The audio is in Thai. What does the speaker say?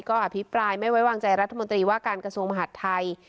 ก็อภิปรายไม่ไว้วางใจรัฐมนตรีว่าการกระทรวงมหาดไทย